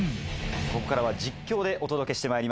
ここからは実況でお届けしてまいります。